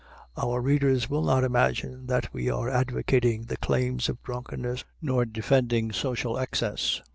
Our readers will not imagine that we are advocating the claims of drunkenness nor defending social excess.